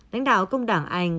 lãnh đạo công đảng anh